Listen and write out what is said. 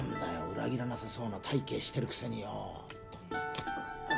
裏切らなさそうな体形してるくせによ